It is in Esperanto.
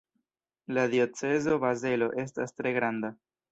La diocezo Bazelo estas tre granda.